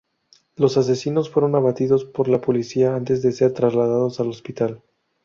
Los asesinos fueron abatidos por la policía antes de ser trasladados al hospital.